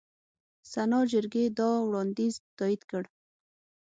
سنا جرګې دا وړاندیز تایید کړ.